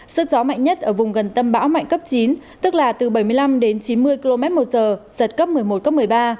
sức gió mạnh nhất ở vùng gần tâm bão mạnh cấp chín tức là từ bảy mươi năm đến chín mươi km một giờ giật cấp một mươi một cấp một mươi ba